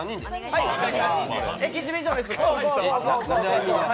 エキシビジョンです。